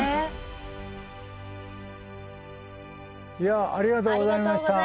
いやありがとうございました。